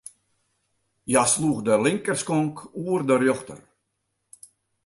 Hja sloech de linkerskonk oer de rjochter.